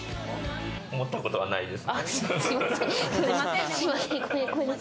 思ったことはないです。